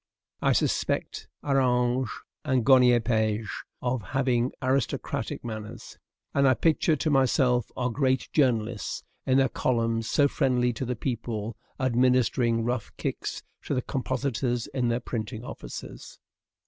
I suspect MM. Arage and Garnier Pages of having aristocratic manners, and I picture to myself our great journalists, in their columns so friendly to the people, administering rough kicks to the compositors in their printing offices.